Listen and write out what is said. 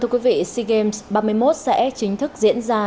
thưa quý vị sigems ba mươi một sẽ chính thức diễn ra